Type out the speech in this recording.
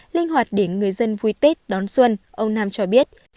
linh hoạt để người dân vui tết đón xuân ông nam cho biết